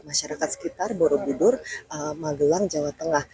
masyarakat sekitar borobudur magelang jawa tengah